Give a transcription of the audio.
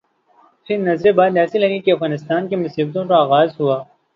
پھر نظر بد ایسی لگی کہ افغانستان کی مصیبتوں کا آغاز ہوا۔